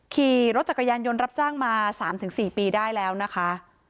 ขี่รถจักรยานยนต์รับจ้างมา๓๔ปีได้แล้วนะคะ